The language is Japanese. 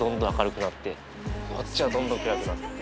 こっちはどんどん暗くなって。